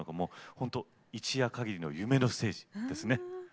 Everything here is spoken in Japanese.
ほんと一夜かぎりの夢のステージですね。